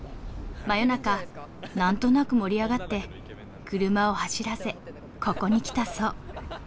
真夜中何となく盛り上がって車を走らせここに来たそう。